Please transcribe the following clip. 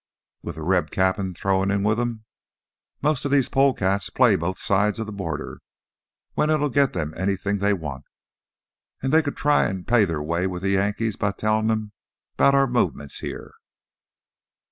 "With a Reb cap'n throwin' in with 'em? Most of these polecats play both sides of the border when it'll git them anythin' they want. An' they could try an' pay their way with the Yankees by tellin' 'bout our movements heah."